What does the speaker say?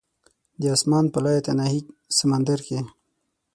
د اسمان په لایتناهي سمندر کې